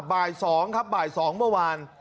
บ่ายสองครับบ่ายสองเมื่อวาน